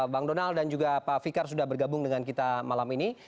bang donald dan juga pak fikar sudah bergabung dengan kita malam ini